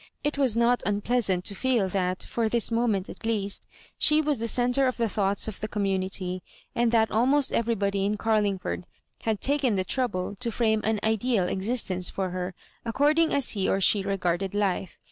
It was not unpleasant to feel tluit, for this moment at least, she was the centre of the thoughts of the community, and that almost everybody in Carlingford had taken the trouble to &ame an ideal existence for her, accord ing as he or she regarded life.